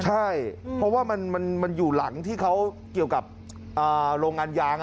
ใช่เพราะว่ามันอยู่หลังที่เขาเกี่ยวกับโรงงานยาง